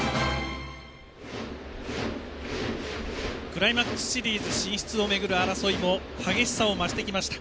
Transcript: クライマックスシリーズ進出を巡る争いも激しさを増してきました。